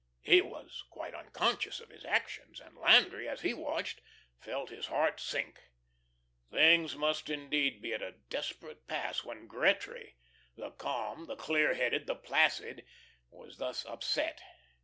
He was quite unconscious of his actions, and Landry as he watched, felt his heart sink. Things must, indeed, be at a desperate pass when Gretry, the calm, the clear headed, the placid, was thus upset.